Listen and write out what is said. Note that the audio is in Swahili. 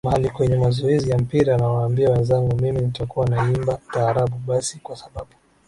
mahali kwenye mazoezi ya mpira nawaambia wenzangu mimi nitakuwa naimba taarabu Basi kwa sababu